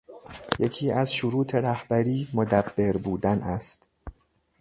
یکی از شروط رهبری، مدبّر بودن است